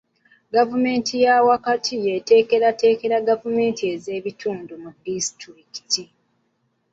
Gavumenti eya wakati eteekateekera gavumenti ez'ebitundu mu disitulikiti.